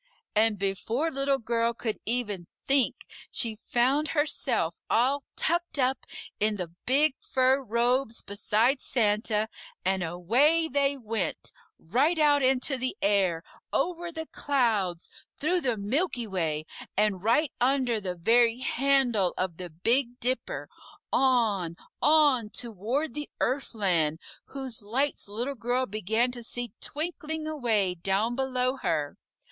And before Little Girl could even think, she found herself all tucked up in the big fur robes beside Santa, and away they went, right out into the air, over the clouds, through the Milky Way, and right under the very handle of the Big Dipper, on, on, toward the Earthland, whose lights Little Girl began to see twinkling away down below her.